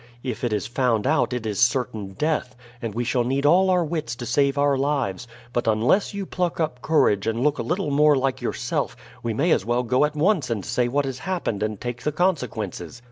If it is found out it is certain death, and we shall need all our wits to save our lives; but unless you pluck up courage and look a little more like yourself, we may as well go at once and say what has happened and take the consequences.